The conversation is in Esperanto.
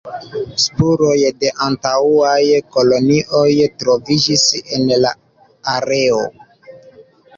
Spuroj de antaŭaj kolonioj troviĝis en la areo.